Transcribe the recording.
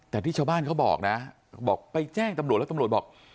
แต่ที่ชาวบ้านเขาบอกนะบอกไปแจ้งตำรวจแล้วตำรวจบอก